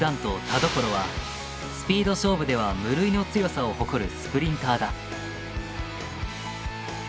田所はスピード勝負では無類の強さを誇るスプリンターだ。